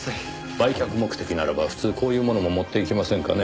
売却目的ならば普通こういうものも持っていきませんかね？